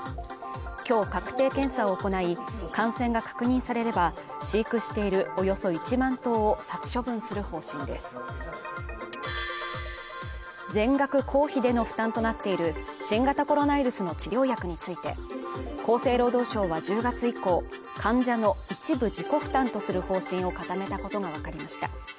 今日確定検査を行い感染が確認されれば飼育しているおよそ１万頭を殺処分する方針です全額公費での負担となっている新型コロナウイルスの治療薬について厚生労働省は１０月以降患者の一部自己負担とする方針を固めたことが分かりました